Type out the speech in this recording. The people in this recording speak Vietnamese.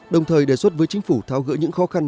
đồng thời đề xuất với chính phủ tháo gỡ những khó khăn